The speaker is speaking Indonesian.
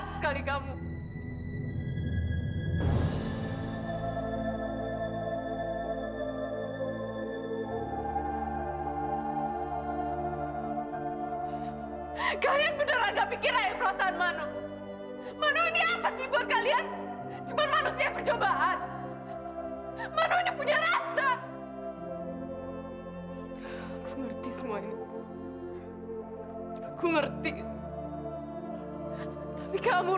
sampai jumpa di video selanjutnya